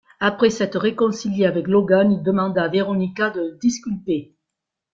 Après s'être réconcilié avec Logan, il demande à Veronica de le disculper...